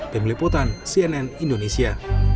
pemeliputan cnn indonesia